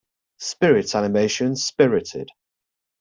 Spirit animation Spirited.